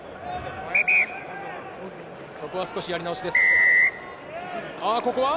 ここは少しやり直しです。